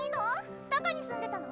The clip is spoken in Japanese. どこに住んでたの？